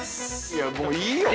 いやもういいよ。